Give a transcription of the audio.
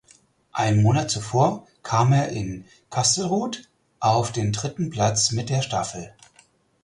Ein Monat zuvor kam er in Kastelruth auf den dritten Platz mit der Staffel.